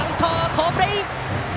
好プレー！